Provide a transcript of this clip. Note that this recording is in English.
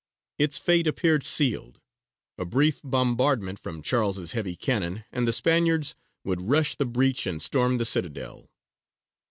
Its fate appeared sealed. A brief bombardment from Charles's heavy cannon, and the Spaniards would rush the breach and storm the citadel.